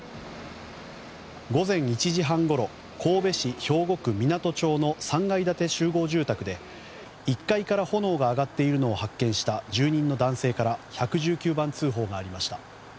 午前１時半ごろ神戸市兵庫区湊町の３階建て集合住宅で１階から炎が上がっているのを発見した住人の男性から１１９番通報がありました。